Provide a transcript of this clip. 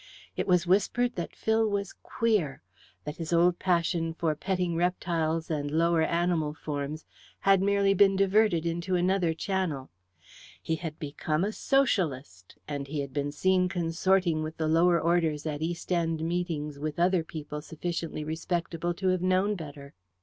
It was whispered that Phil was "queer" that his old passion for petting reptiles and lower animal forms had merely been diverted into another channel. He had become a Socialist, and had been seen consorting with the lower orders at East End meetings with other people sufficiently respectable to have known better.